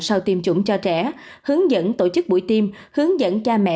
sau tiêm chủng cho trẻ hướng dẫn tổ chức buổi tiêm hướng dẫn cha mẹ